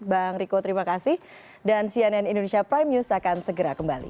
bang riko terima kasih dan cnn indonesia prime news akan segera kembali